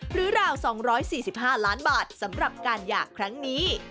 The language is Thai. ราว๒๔๕ล้านบาทสำหรับการหย่าครั้งนี้